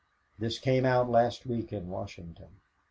This came out last week in Washington.